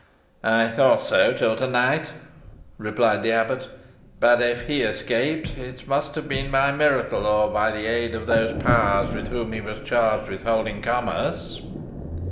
"I thought so till to night," replied the abbot. "But if he escaped it, it must have been by miracle; or by aid of those powers with whom he was charged with holding commerce."